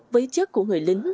với chất của người lính